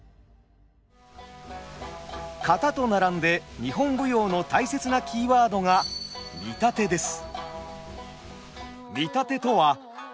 「型」と並んで日本舞踊の大切なキーワードが「見立て」です。